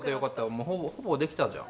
もうほぼできたじゃん。